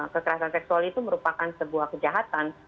kekerasan seksual itu merupakan sebuah kejahatan